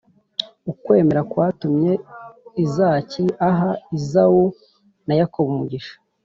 ukwemera kwatumye izaki ahaezawu na yakobo umugisha.